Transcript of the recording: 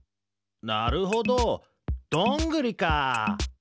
なるほどどんぐりかあ。